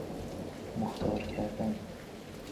مختار کردن